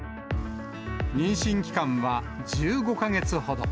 妊娠期間は１５か月ほど。